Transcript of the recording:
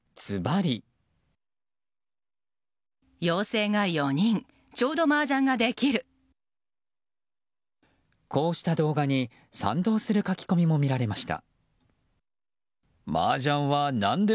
「陽性が４人こうした動画に賛同する書き込みも見られました。